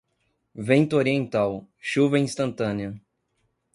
Vento oriental, chuva instantânea.